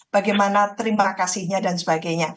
bagaimana terima kasihnya dan sebagainya